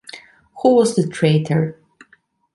Who was the traitor?